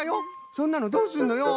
そんなのどうすんのよ。